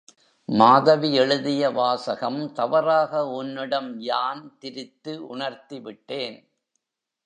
மாதவி எழுதிய வாசகம் தவறாக உன்னிடம் யான் திரித்து உணர்த்திவிட்டேன்.